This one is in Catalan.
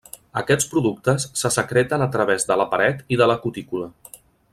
Aquests productes se secreten a través de la paret i de la cutícula.